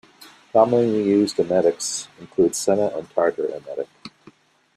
Commonly used emetics include senna and tartar emetic.